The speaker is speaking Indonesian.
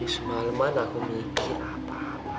semalam aku mikir apa apa